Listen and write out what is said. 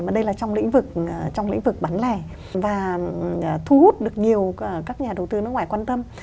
mà đây là trong lĩnh vực bán lẻ và thu hút được nhiều các nhà đầu tư nước ngoài quan tâm